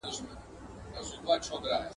شته من هم له بدبویي سره عادت سو ..